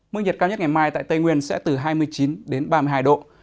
mức nhiệt cao nhất ngày mai tại tây nguyên sẽ từ hai mươi chín đến ba mươi hai độ